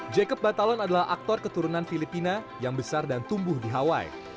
jacob batalon adalah aktor keturunan filipina yang besar dan tumbuh di hawaii